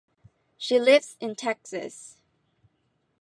She lives in Texas.